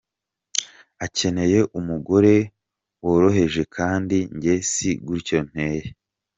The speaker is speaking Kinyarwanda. Akeneye umugore woroheje kandi njye si gutyo nteye.